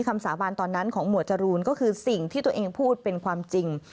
สาบานตอนนั้นของหมวดจรูนก็คือสิ่งที่ตัวเองพูดเป็นความจริง